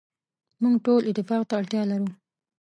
موږ ټول اتفاق ته اړتیا لرو.